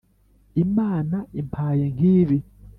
imana impaye nk’ibi